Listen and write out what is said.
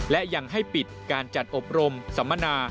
และยังให้ปิดการจัดอบรมสัมมนา